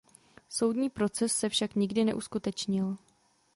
Soudní proces se však nikdy neuskutečnil.